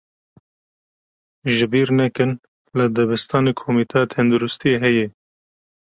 Ji bîr nekin, li dibistanê komîteya tenduristiyê heye.